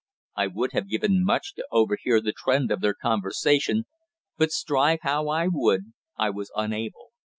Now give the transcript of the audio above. I would have given much to overhear the trend of their conversation, but strive how I would I was unable.